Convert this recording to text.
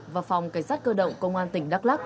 và phòng kế sát cơ động công an tỉnh đăng lắc